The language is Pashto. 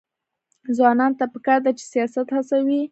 ځوانانو ته پکار ده چې، سیاحت هڅوي.